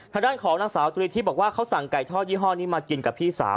ทางด้านของนางสาวตรีทิพย์บอกว่าเขาสั่งไก่ทอดยี่ห้อนี้มากินกับพี่สาว